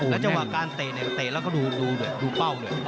จังหวะการเตะเนี่ยเตะแล้วก็ดูเป้าเนี่ย